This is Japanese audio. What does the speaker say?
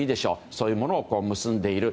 そういうものを結んでいる。